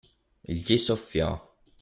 Gli soffiò.